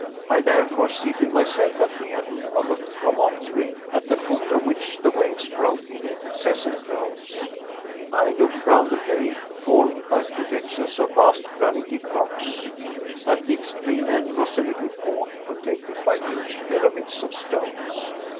I therefore seated myself at the end of a promontory, at the foot of which the waves broke in incessant rolls. I looked round a bay formed by projections of vast granitic rocks. At the extreme end was a little port protected by huge pyramids of stones.